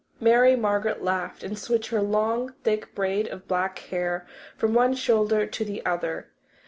Mary Margaret laughed and switched her long, thick braid of black hair from one shoulder to the other.